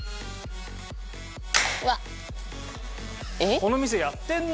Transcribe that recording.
この店やってんな。